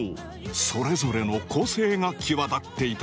それぞれの個性が際立っていた。